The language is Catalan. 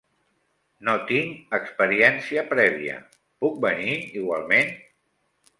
No tinc experiència prèvia, puc venir igualment?